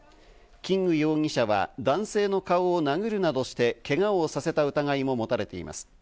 キング容疑者は男性の顔を殴るなどしてけがをさせた疑いも持たれています。